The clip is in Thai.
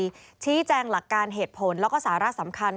ชี้แจงหลักการเหตุผลแล้วก็สาระสำคัญ